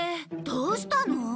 どうしたの？